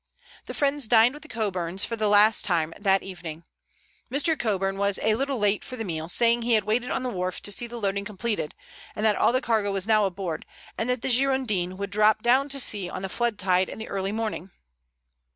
The friends dined with the Coburns for the last time that evening. Mr. Coburn was a little late for the meal, saying he had waited on the wharf to see the loading completed, and that all the cargo was now aboard, and that the Girondin would drop down to sea on the flood tide in the early morning.